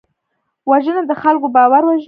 وژنه د خلکو باور وژني